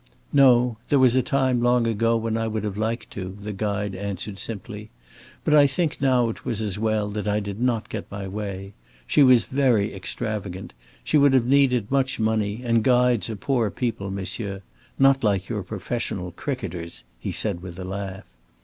"No. There was a time, long ago, when I would have liked to," the guide answered, simply. "But I think now it was as well that I did not get my way. She was very extravagant. She would have needed much money, and guides are poor people, monsieur not like your professional cricketers," he said, with a laugh.